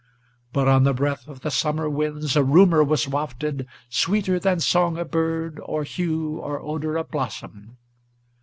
But on the breath of the summer winds a rumor was wafted Sweeter than song of bird, or hue or odor of blossom.